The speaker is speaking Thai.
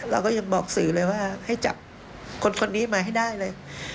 เราก็ยังบอกสื่อเลยว่าให้จับคนนี้มาให้ได้เลย